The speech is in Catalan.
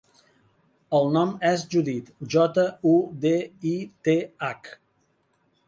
El nom és Judith: jota, u, de, i, te, hac.